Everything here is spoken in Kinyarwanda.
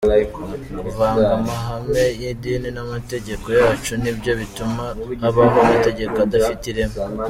Kuvanga amahame y’idini n’amategeko yacu nibyo bituma habaho amategeko adafite ireme.